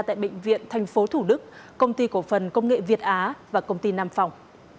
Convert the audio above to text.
tại bệnh viện tp thủ đức công ty cổ phần công nghệ việt á và công ty nam phòng